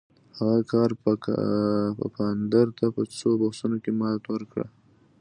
هغه کارل پفاندر ته په څو بحثونو کې ماته ورکړه.